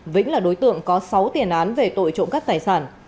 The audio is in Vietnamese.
vĩnh là đối tượng có sáu tiền án về tội trộm cắt tài sản